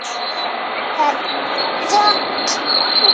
কারণ তার কথায় মারাত্মক যাদুক্রিয়া রয়েছে।